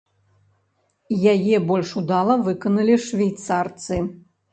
Яе больш удала выканалі швейцарцы.